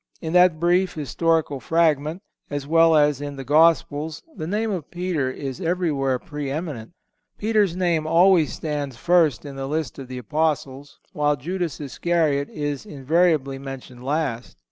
In that brief historical fragment, as well as in the Gospels, the name of Peter is everywhere pre eminent. Peter's name always stands first in the list of the Apostles, while Judas Iscariot is invariably mentioned last.